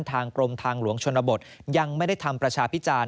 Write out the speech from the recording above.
ทางกรมทางหลวงชนบทยังไม่ได้ทำประชาพิจารณ